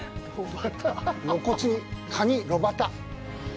露骨に「カニ・炉端」。